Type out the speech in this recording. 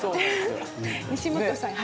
西本さん。